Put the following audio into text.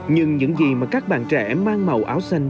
nhưng những gì mà các bạn trẻ mang màu áo xanh